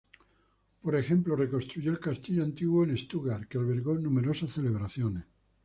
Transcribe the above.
Por ejemplo, reconstruyó el Castillo Antiguo en Stuttgart, que albergó numerosas celebraciones.